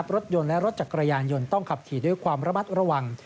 รถยนต์และรถจักรยานยนต์ต้องขับขี่ด้วยความระมัดระวัง